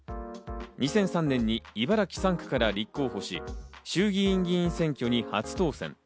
２００３年に茨城３区から立候補し、衆議院議員選挙に初当選。